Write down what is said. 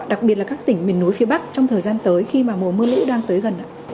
đặc biệt là các tỉnh miền núi phía bắc trong thời gian tới khi mà mùa mưa lũ đang tới gần ạ